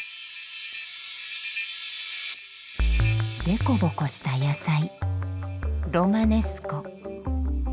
でこぼこした野菜ロマネスコ。